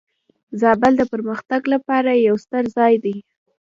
زابل د پرمختګ لپاره یو ستر ځای دی.